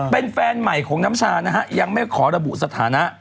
เป็นแฟนใหม่ของน้ำชานะฮะยังไม่ขอระบุสถานะ